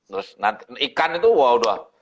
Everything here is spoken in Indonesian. terus ikan itu wah udah